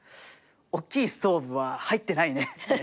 おっきいストーブは入ってないね。